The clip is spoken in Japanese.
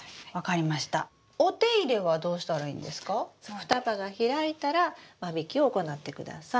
双葉が開いたら間引きを行ってください。